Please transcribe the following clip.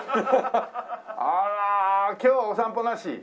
あら今日はお散歩なし？